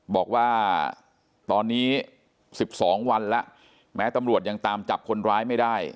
บอกว่าตอนนี้๑๒วันแล้วแม้ตำรวจยังตามจับคนร้ายไม่ได้